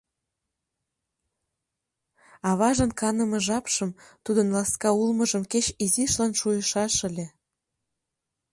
Аважын каныме жапшым, тудын ласка улмыжым кеч изишлан шуйышаш ыле.